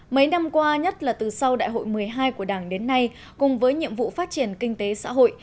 mấy năm qua nhất là từ sau đại hội một mươi hai của đảng đến nay cùng với nhiệm vụ phát triển kinh tế xã hội